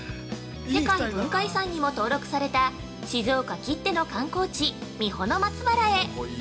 世界文化遺産にも登録された、静岡きっての観光地「三保の松原」へ。